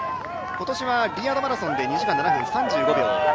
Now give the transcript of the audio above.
今年はディーアードマラソンで２時間７分３５秒。